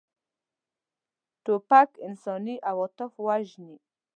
توپک انساني عواطف وژني.